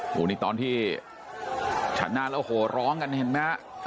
โอ้โหนี่ตอนที่ชนะแล้วโหร้องกันเห็นไหมฮะ